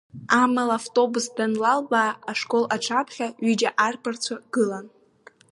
Амала автобус данлалбаа, ашкол аҿаԥхьа ҩыџьа арԥарцәа гылан.